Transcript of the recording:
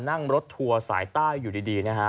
นั่งรถทัวร์สายใต้อยู่ดีนะฮะ